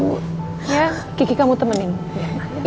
mbak kiki suster mirna hati hati di jalan ini ya bu